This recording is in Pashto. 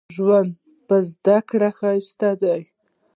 ژوند په زده کړه ښايسته دې